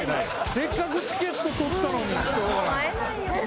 せっかくチケット取ったのに。